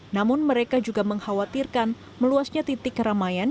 namun mereka juga mengkhawatirkan meluasnya titik keramaian